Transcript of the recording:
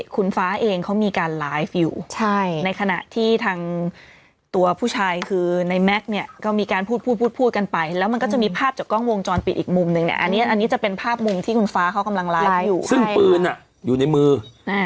คุณฟ้าเองเขามีการไลฟ์อยู่ใช่ในขณะที่ทางตัวผู้ชายคือในแม็กซ์เนี่ยก็มีการพูดพูดพูดพูดกันไปแล้วมันก็จะมีภาพจากกล้องวงจรปิดอีกมุมนึงเนี่ยอันนี้อันนี้จะเป็นภาพมุมที่คุณฟ้าเขากำลังไลฟ์อยู่ซึ่งปืนอ่ะอยู่ในมือ